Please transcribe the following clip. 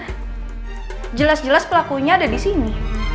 nah jelas jelas pelakunya ada di sini